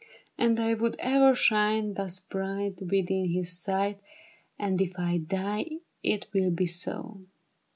And I would ever shine thus bright Within his sight ; And if I die it will be so.